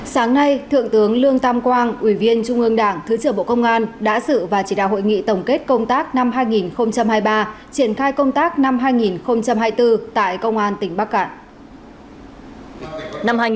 sáng nay thượng tướng lương tam quang ủy viên trung ương đảng thứ trưởng bộ công an đã sự và chỉ đạo hội nghị tổng kết công tác năm hai nghìn hai mươi ba triển khai công tác năm hai nghìn hai mươi bốn tại công an tỉnh bắc cạn